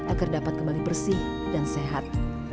agar dapat kembali bersih dan sehat